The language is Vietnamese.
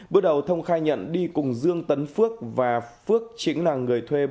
bước đầu thông khai nhận đi cùng dương tấn phước và phước chính là người thuê